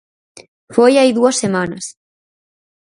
Foi hai dúas semanas.